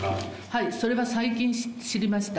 はい、それは最近知りました。